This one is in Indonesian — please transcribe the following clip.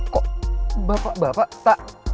kok bapak bapak tak